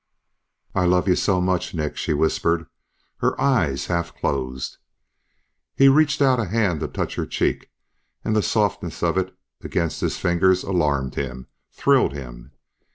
"I love you so much, Nick," she whispered, her eyes half closed. He reached out a hand to touch her cheek and the softness of it against his fingers alarmed him, thrilled him.